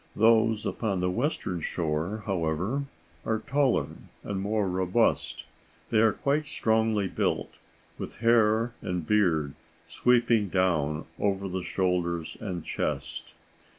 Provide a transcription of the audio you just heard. Those upon the western shore, however, are taller and more robust; they are quite strongly built, with hair and beard sweeping down over the shoulders and chest.